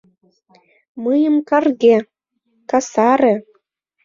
Мыйым карге... касаре!